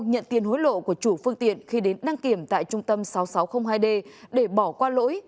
nhận tiền hối lộ của chủ phương tiện khi đến đăng kiểm tại trung tâm sáu nghìn sáu trăm linh hai d để bỏ qua lỗi